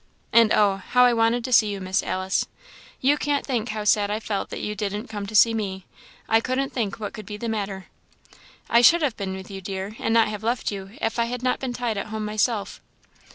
And oh! how I wanted to see you, Miss Alice! You can't think how sad I felt that you didn't come to see me. I couldn't think what could be the matter." "I should have been with you, dear, and not have left you, if I had not been tied at home myself."